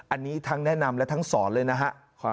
อันนี้ทั้งแนะนำและทั้งสอนเลยนะฮะ